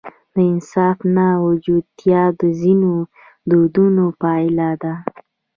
د انصاف نه موجودیت د ځینو دودونو پایله ده.